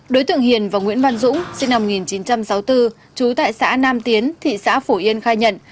đối tượng hiền và nguyễn văn dũng sinh năm một nghìn chín trăm sáu mươi bốn trú tại xã nam tiến thị xã phổ yên khai nhận